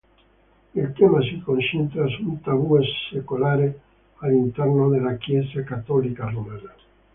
Il tema si concentra su un tabù secolare all’interno della Chiesa cattolica romana.